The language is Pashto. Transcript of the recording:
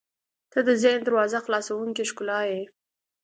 • ته د ذهن دروازه خلاصوونکې ښکلا یې.